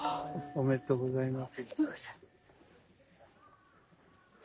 おめでとうございます。